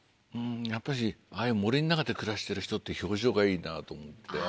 やっぱしああいう森の中で暮らしてる人って表情がいいなと思って。